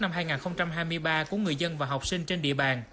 năm hai nghìn hai mươi ba của người dân và học sinh trên địa bàn